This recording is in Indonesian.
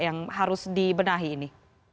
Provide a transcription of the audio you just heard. yang harus dibenahi ini